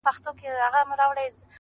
دلته برېتورو له مردیه لاس پرېولی دی!